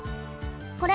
これ。